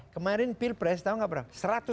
kemarin pilpres tau gak pak